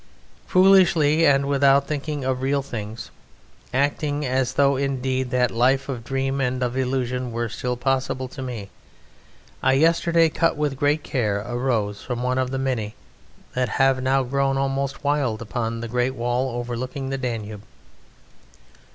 Foolishly and without thinking of real things, acting as though indeed that life of dream and of illusion were still possible to me, I yesterday cut with great care a rose, one from the many that have now grown almost wild upon the great wall overlooking the Danube.